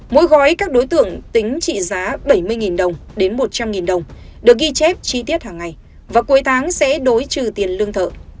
mỗi gói các đối tượng tính trị giá bảy mươi đồng đến một trăm linh đồng được ghi chép chi tiết hàng ngày và cuối tháng sẽ đối trừ tiền lương thợ